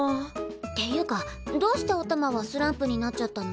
っていうかどうしておたまはスランプになっちゃったの？